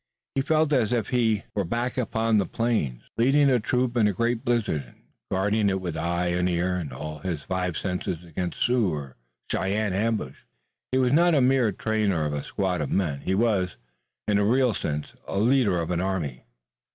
He felt as if he were back upon the plains, leading a troop in a great blizzard, and guarding it with eye and ear and all his five senses against Sioux or Cheyenne ambush. He was not a mere trainer of a squad of men, he was, in a real sense, a leader of an army.